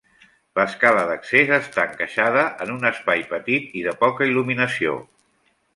L'escala d'accés està encaixada en un espai petit i de poca il·luminació.